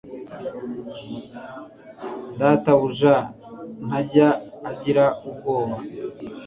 data buja ntajya agira ubwoba